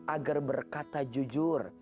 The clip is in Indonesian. agar berkata jujur